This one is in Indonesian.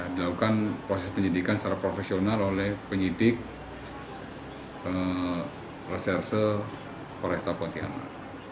dilakukan proses penyidikan secara profesional oleh penyidik reserse polresta pontianak